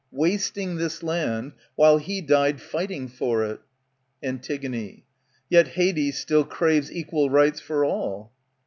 Wasting this land, while he died fighting for it. Antig, Yet Hades still craves equal rites for all.